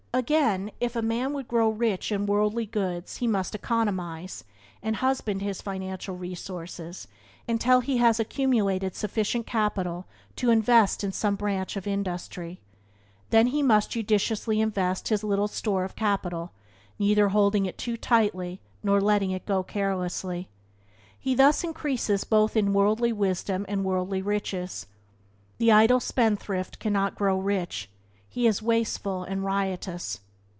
Again, if a man would grow rich in worldly goods he must economize, and husband his financial resources until he has accumulated sufficient capital to invest in some branch of industry; then he must judiciously invest his little store of capital, neither holding it too tightly nor letting it go carelessly. He thus increases both in worldly wisdom and worldly riches. The idle spendthrift cannot grow rich; he is wasteful and riotous.